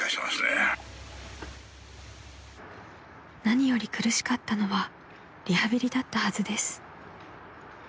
［何より苦しかったのはリハビリだったはずです］